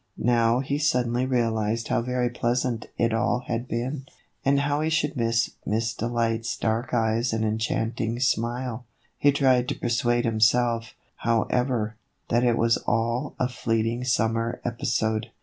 Now he suddenly realized how very pleasant it had all been, and how he should miss Delight's dark eyes and enchanting smile. He tried to persuade himself, however, that it was all a fleeting summer episode.